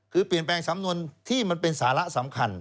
คือเปลี่ยนแปลงสำนวนที่มันเป็นสาระสำคัญ